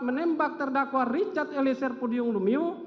menembak terdakwa richard eliezer pudium lumiu